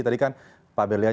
tadi kan pak berlian